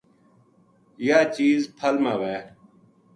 یاہ چیز پھل ما وھے